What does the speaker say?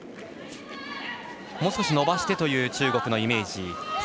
もう少し伸ばしてという中国のイメージ。